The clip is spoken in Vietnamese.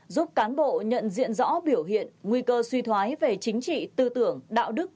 giúp cán bộ nhận diện rõ biểu hiện nguy cơ suy thoái về chính trị tư tưởng đạo đức